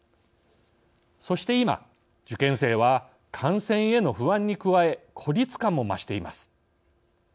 そして今受験生は感染への不安に加え孤立感も増しています。